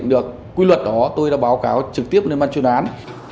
được quy luật đó tôi đã báo cáo trực tiếp lên mặt truyền án